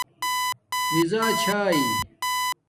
راضی چھا